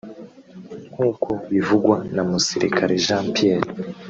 nk’uko bivugwa na Musirikare Jean Pierre